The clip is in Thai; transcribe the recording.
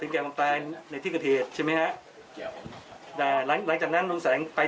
กลับมากินร่างเหมือนเดิม